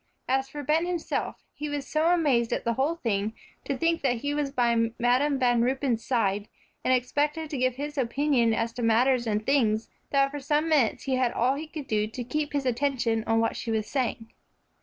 As for Ben himself, he was so amazed at the whole thing, to think that he was by Madam Van Ruypen's side, and expected to give his opinion as to matters and things, that for some minutes he had all he could do to keep his attention on what she was saying.